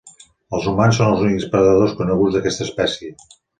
Els humans són els únics predadors coneguts d'aquesta espècie.